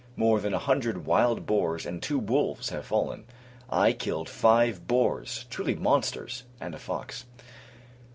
More than a hundred wild boars, and two wolves, have fallen. I killed five boars, truly monsters! and a fox.